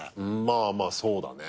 まあまあそうだね。